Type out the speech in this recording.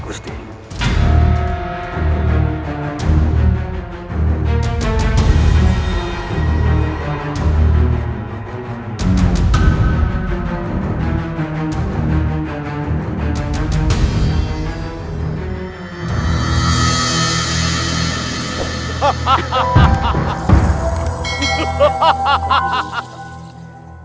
pasti kehendakmu menjadi mereka